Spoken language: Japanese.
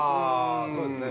そうですね。